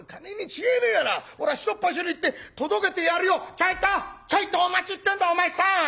ちょいとお待ちってんだお前さん！